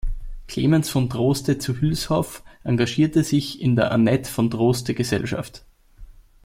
Clemens von Droste zu Hülshoff engagierte sich in der Annette-von-Droste-Gesellschaft.